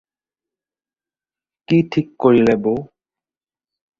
কি ঠিক কৰিলে বৌ?